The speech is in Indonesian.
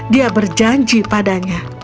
dia berjanji padanya